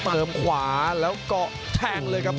เติมขวาแล้วก็แทงเลยครับ